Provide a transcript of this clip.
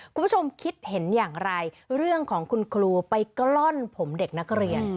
คุณผู้ชมคิดเห็นอย่างไรเรื่องของคุณครูไปกล้อนผมเด็กนักเรียน